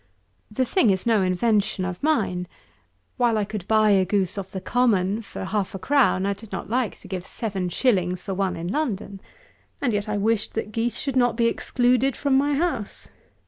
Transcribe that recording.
The thing is no invention of mine. While I could buy a goose off the common for half a crown, I did not like to give seven shillings for one in London, and yet I wished that geese should not be excluded from my house.